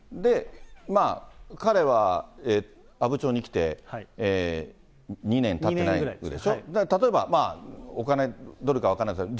まあ彼は阿武町に来て２年たってないぐらいでしょ、例えばお金、どれくらいか分からないですけど、